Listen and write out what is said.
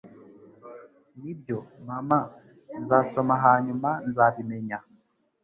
Nibyo, mama, nzasoma hanyuma nzabimenya.